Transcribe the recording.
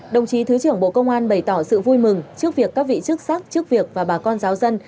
đồng chí thứ trưởng bộ công an bày tỏ sự vui mừng trước việc các vị chức sắc chức việc và bà con giáo dân